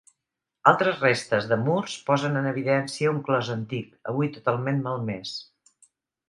Altres restes de murs posen en evidència un clos antic, avui totalment malmès.